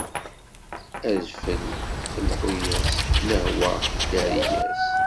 Adfel lḥu-as, lehwa ddari-as.